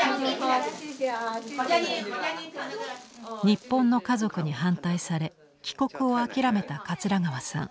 日本の家族に反対され帰国を諦めた桂川さん。